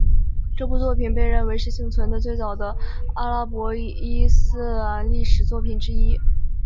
这部作品被认为是幸存的最早的阿拉伯伊斯兰历史作品之一。